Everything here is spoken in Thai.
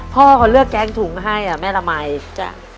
พ่อเขาเลือกแกงถุงให้อ่ะแม่ละมัยจ้ะ